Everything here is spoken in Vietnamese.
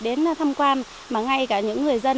đến thăm quan mà ngay cả những người dân